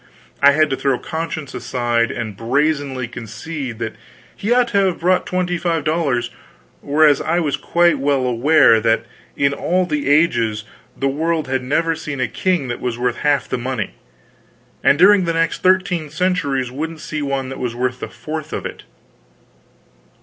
I had to throw conscience aside, and brazenly concede that he ought to have brought twenty five dollars; whereas I was quite well aware that in all the ages, the world had never seen a king that was worth half the money, and during the next thirteen centuries wouldn't see one that was worth the fourth of it.